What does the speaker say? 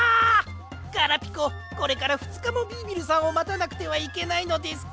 ガラピコこれからふつかもビービルさんをまたなくてはいけないのですか？